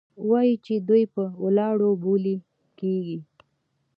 وايي چې دوى په ولاړو بولې کيې.